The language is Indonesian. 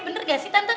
bener gak sih tante